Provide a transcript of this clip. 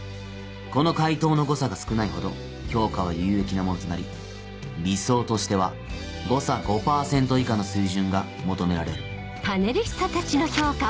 この回答の誤差が少ないほど評価は有益なものとなり理想としては誤差５％以下の水準が求められる。